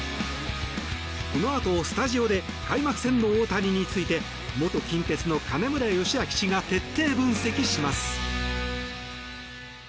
このあとスタジオで開幕戦の大谷について元近鉄の金村義明氏が徹底分析します。